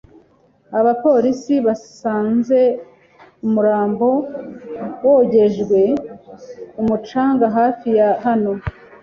Abapolisi basanze umurambo wogejwe ku mucanga hafi ya hano.